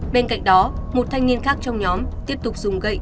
bên cạnh đó một thanh niên khác trong nhóm tiếp tục dùng gậy